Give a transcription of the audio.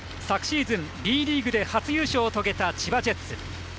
昨シーズン、Ｂリーグで初優勝をとげた千葉ジェッツ。